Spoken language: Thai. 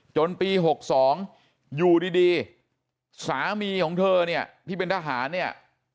จนปี๖๒อยู่ดีสามีของเธอเนี่ยที่เป็นทหารเนี่ย